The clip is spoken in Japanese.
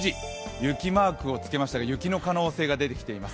雪マークをつけましたが雪の可能性が出てきています。